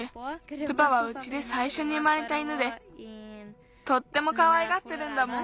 プパはうちでさいしょに生まれた犬でとってもかわいがってるんだもん。